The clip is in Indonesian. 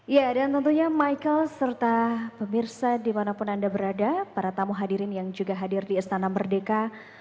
ya dan tentunya michael serta pemirsa dimanapun anda berada para tamu hadirin yang juga hadir di istana merdeka